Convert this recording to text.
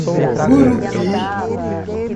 Gurupi